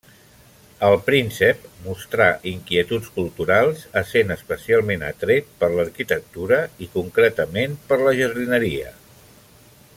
El príncep mostrà inquietuds culturals essent especialment atret per l'arquitectura i concretament per la jardineria.